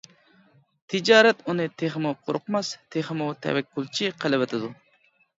تىجارەت ئۇنى تېخىمۇ قورقماس، تېخىمۇ تەۋەككۈلچى قىلىۋېتىدۇ.